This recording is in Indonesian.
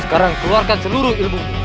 sekarang keluarkan seluruh ilmumu